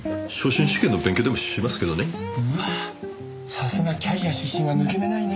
さすがキャリア出身は抜け目ないね。